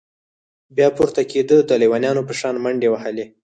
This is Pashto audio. بيا پورته كېده د ليونيانو په شان منډې وهلې.